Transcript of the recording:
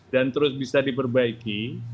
dan terus bisa diperbaiki